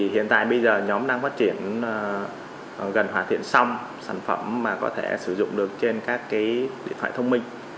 hiện tại bây giờ nhóm đang phát triển gần hoàn thiện xong sản phẩm mà có thể sử dụng được trên các cái điện thoại thông minh